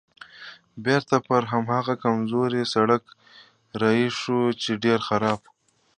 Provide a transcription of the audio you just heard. بېرته پر هماغه کمزوري سړک رهي شوم چې ډېر خراب و.